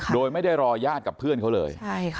โดยไม่ได้รอญาติกับเพื่อนเขาเลย